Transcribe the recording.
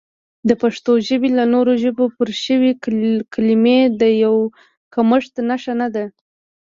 د پښتو ژبې له نورو ژبو پورشوي کلمې د یو کمښت نښه نه ده